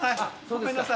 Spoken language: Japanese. ごめんなさい。